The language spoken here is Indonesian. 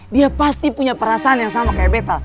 dia pasti punya perasaan yang sama kayak beta